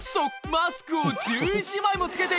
マスクを１１枚も着けていた！